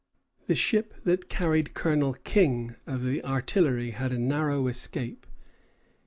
The ship that carried Colonel King, of the artillery, had a narrow escape.